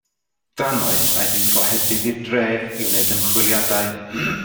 Drannoeth, aeth ein gohebydd i'r dref i wneud ymchwiliadau.